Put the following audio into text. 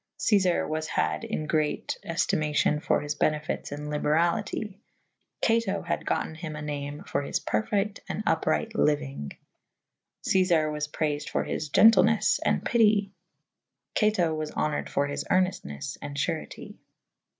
Cefer was had in great eftymacyon for his benefites and liberalyte. Cato had gotten hym a name for his perfyght & vpryght lyuynge. Cefar was prayfed for his gentilnes and pitie. Cato was [B vii b] honored for his erneftnes and furete.